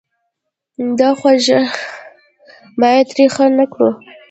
دا خوږه باید تریخه نه کړو.